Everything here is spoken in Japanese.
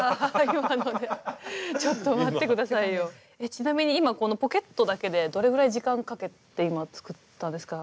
ちなみに今このポケットだけでどれぐらい時間かけて今作ったんですか？